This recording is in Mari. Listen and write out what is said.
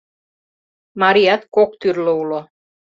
Марият кок тӱрлӧ уло.